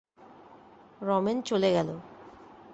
রমেন চলে গেল।